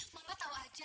mama tahu aja